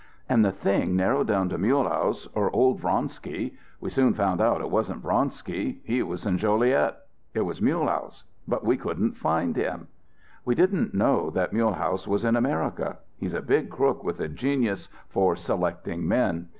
And the thing narrowed down to Mulehaus or old Vronsky. We soon found out it wasn't Vronsky. He was in Joliet. It was Mulehaus. But we couldn't find him. "We didn't even know that Mulehaus was in America. He's a big crook with a genius for selecting men.